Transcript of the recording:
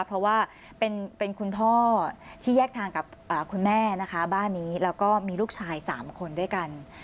เพราะว่าเป็นคุณพ่อที่แยกทางกับคุณแม่นะคะบ้านนี้แล้วก็มีลูกชาย๓คนด้วยกัน